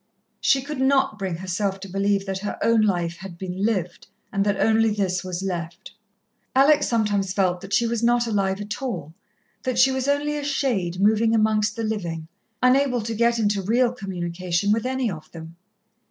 She could not bring herself to believe that her own life had been lived, and that only this was left. Alex sometimes felt that she was not alive at all that she was only a shade moving amongst the living, unable to get into real communication with any of them.